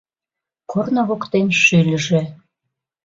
Корно воктен шӱльыжӧ